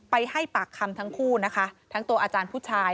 ให้ปากคำทั้งคู่นะคะทั้งตัวอาจารย์ผู้ชาย